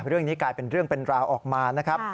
เรื่องนี้กลายเป็นเรื่องเป็นราวออกมานะครับ